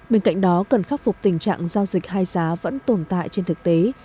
bên cạnh đó cần khắc phục tình trạng giao dịch hai giá vẫn tồn tại trên thực tế